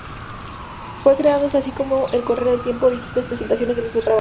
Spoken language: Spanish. Fue creándose así con el correr del tiempo distintas presentaciones del mismo trabajo.